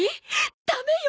ダメよ！